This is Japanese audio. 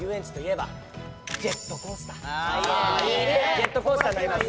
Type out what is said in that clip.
ジェットコースターに乗ります。